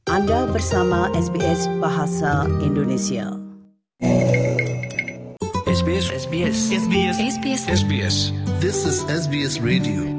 anda bersama sps bahasa indonesia